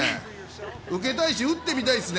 受けたいし打ってみたいですね。